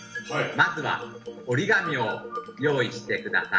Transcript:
まずは折り紙を用意して下さい。